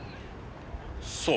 そう。